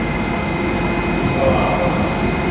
Үс алаһыңмы?